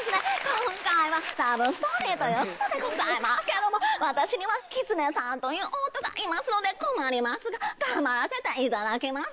今回はラブストーリーということでございますけども私にはきつねさんという夫がいますので困りますが頑張らせていただきます。